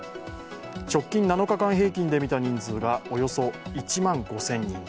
直近７日間平均で見た人数がおよそ１万５０００人。